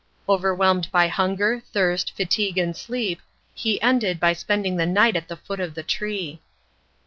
Overwhelmed by hunger, thirst, fatigue and sleep, he ended by spending the night at the foot of the tree.